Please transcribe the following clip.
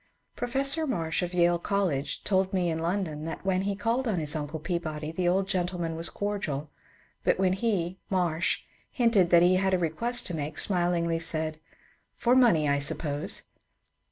Professor Marsh of Yale College told me in London that when he called on his uncle Peabody the old gentleman was cordial, but when he (Marsh) hinted that he had a request to make, smilingly said, " For money, I suppose."